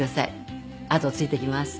あとをついていきます。